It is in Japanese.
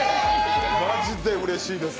マジでうれしいです！